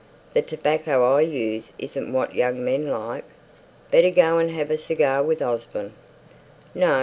"The tobacco I use isn't what young men like. Better go and have a cigar with Osborne." "No.